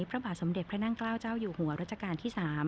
พระบาทสมเด็จพระนั่งเกล้าเจ้าอยู่หัวรัชกาลที่๓